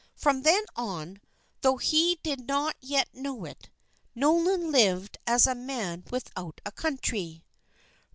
From then on, though he did not yet know it, Nolan lived as a man without a country.